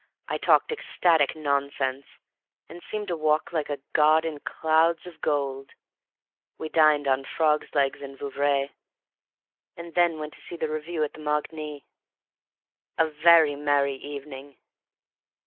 I talked ecstatic nonsense, and seemed to walk like a god in clouds of gold. We dined on frogs' legs and Vouvray, and then went to see the Revue at the Marigny. A very merry evening.